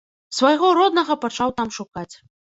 Свайго роднага пачаў там шукаць.